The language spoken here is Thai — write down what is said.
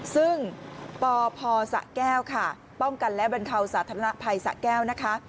ซึ่งปพสะแก้วค่ะป้องกันและบรรเทาสาธารณภัยสะแก้วนะคะ